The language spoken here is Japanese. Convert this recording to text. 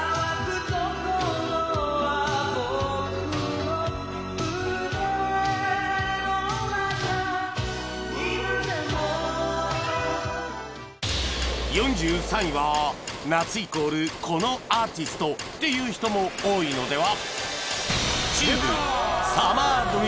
４４位は再び４３位は夏イコールこのアーティストっていう人も多いのでは？